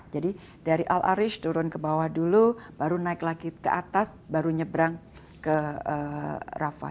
jadi dari al arish turun ke bawah dulu baru naik lagi ke atas baru nyebrang ke rafah